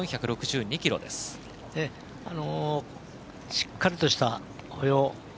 しっかりとした歩様